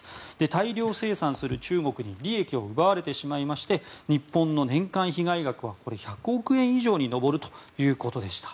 大量生産する中国に利益を奪われてしまいまして日本の年間被害額は１００億円以上に上るということでした。